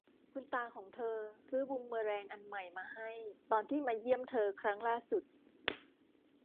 คุณตาของเธอซื้อบูมเมอแรงอันใหม่มาให้ตอนที่มาเยี่ยมเธอครั้งล่าสุด